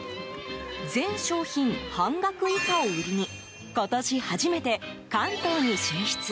全商品半額以下を売りに今年、初めて関東に進出。